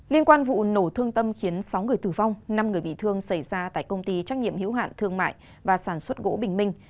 liên quan vụ nổ thương tâm khiến sáu người tử vong năm người bị thương xảy ra tại công ty trách nhiệm hiếu hạn thương mại và sản xuất gỗ bình minh